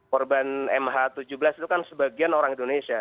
korban mh tujuh belas itu kan sebagian orang indonesia